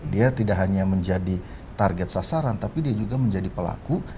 dia tidak hanya menjadi target sasaran tapi dia juga menjadi pelaku